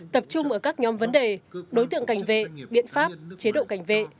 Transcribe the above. tập trung ở các nhóm vấn đề đối tượng cảnh vệ biện pháp chế độ cảnh vệ